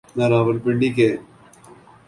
نہ راولپنڈی کے۔